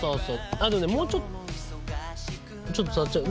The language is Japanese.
あのねもうちょっとちょっと触っちゃう。